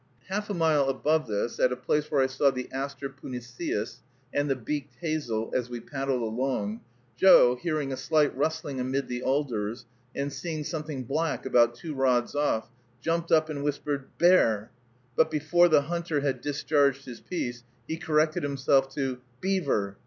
Half a mile above this, at a place where I saw the Aster puniceus and the beaked hazel, as we paddled along, Joe, hearing a slight rustling amid the alders, and seeing something black about two rods off, jumped up and whispered, "Bear!" but before the hunter had discharged his piece, he corrected himself to "Beaver!"